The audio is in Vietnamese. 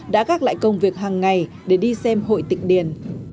đã gác lại công việc hàng ngày để đi xem hội tịch điền